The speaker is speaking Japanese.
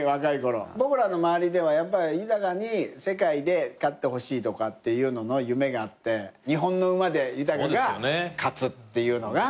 僕らの周りではやっぱ豊に世界で勝ってほしいとかっていう夢があって日本の馬で豊が勝つっていうのが。